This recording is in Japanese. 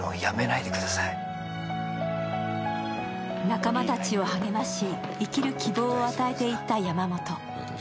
仲間たちを励まし、生きる希望を与えていった山本。